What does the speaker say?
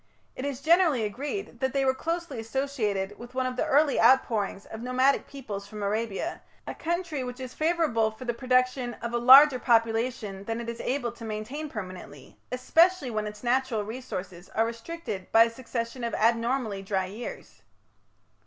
It is generally agreed that they were closely associated with one of the early outpourings of nomadic peoples from Arabia, a country which is favourable for the production of a larger population than it is able to maintain permanently, especially when its natural resources are restricted by a succession of abnormally dry years.